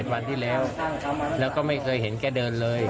วันที่แล้วแล้วก็ไม่เคยเห็นแกเดินเลย